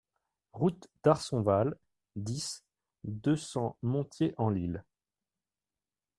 Route d'Arsonval, dix, deux cents Montier-en-l'Isle